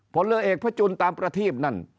ผลเรือเอกพระจุลตามประทีบนั่น